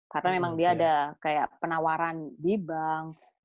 karena memang dia ada kayak penawaran di bank